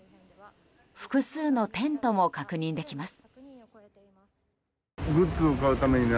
複数のテントも確認できます。